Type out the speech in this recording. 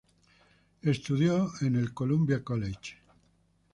Estudió en el Columbia College.